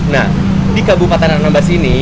nah di kabupaten anambas ini